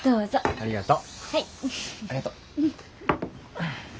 ありがとう。